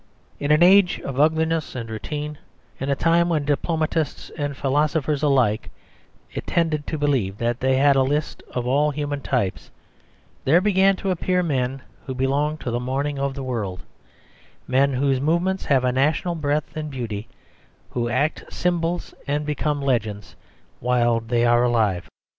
In an age of ugliness and routine, in a time when diplomatists and philosophers alike tended to believe that they had a list of all human types, there began to appear men who belonged to the morning of the world, men whose movements have a national breadth and beauty, who act symbols and become legends while they are alive.